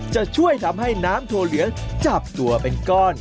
จะช่วยทำให้น้ำถั่วเหลืองจับตัวเป็นก้อน